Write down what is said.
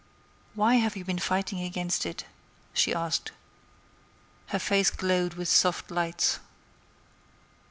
"Why have you been fighting against it?" she asked. Her face glowed with soft lights.